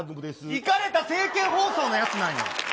いかれた政見放送のやつなんや。